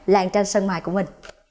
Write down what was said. đàn tranh sơn mài của mình